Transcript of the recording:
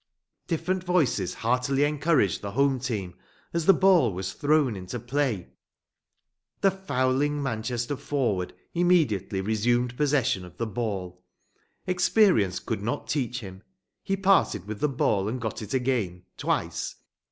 Different voices heartily encouraged the home team as the ball was thrown into play. The fouling Manchester forward immediately resumed possession of the ball. Experience could not teach him. He parted with the ball and got it again, twice.